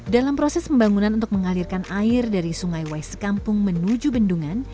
dalam proses pembangunan untuk mengalirkan air dari sungai waiskampung menuju bendungan